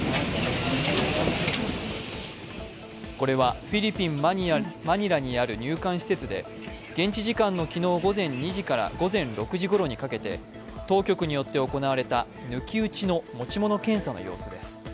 これはフィリピン・マニラにある現地施設で現地時間の昨日午前２時から午前６時ごろにかけて当局によって行われた抜き打ちの持ち物検査の様子です。